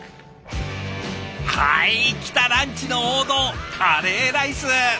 はい来たランチの王道カレーライス。